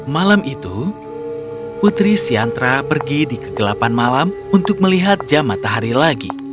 malam itu putri siantra pergi di kegelapan malam untuk melihat jam matahari lagi